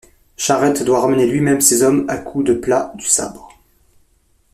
Charette doit ramener lui-même ses hommes à coups de plat du sabre.